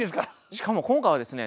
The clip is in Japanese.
しかも今回はですね